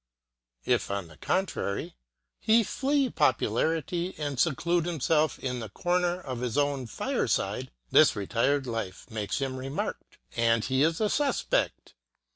If, on the contrary, he flee popularity and seclude himself in the corner of his own fireside, this retired life makes him remarked, and he is a suspect.